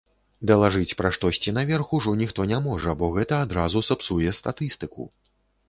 Далажыць пра штосьці наверх ужо ніхто не можа, бо гэта адразу сапсуе статыстыку!